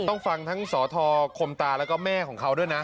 ต้องฟังทั้งสทคมตาแล้วก็แม่ของเขาด้วยนะ